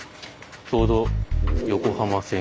ちょうど横浜線。